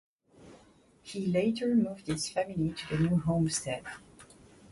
He later moved his family to the new homestead.